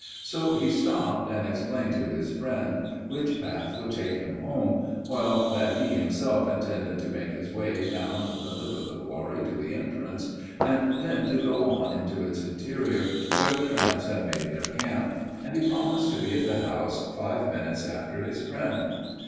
So he stopped and explained to his friend which path would take him home, while that he himself intended to make his way along the lip of the quarry to the entrance, and then to go on into its interior where the tramps had made their camp; and he promised to be at the house five minutes after his friend.